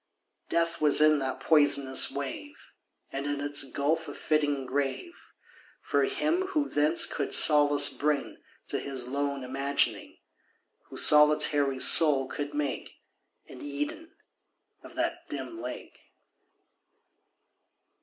Death was in that poisonous wave, And in its gulf a fitting grave For him who thence could solace bring To his lone imagining— Whose solitary soul could make An Eden of that dim lake.